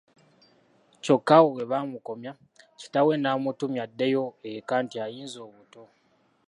Kyokka awo we baamukomya, kitaawe n'amutumya addeyo eka nti ayinze obuto.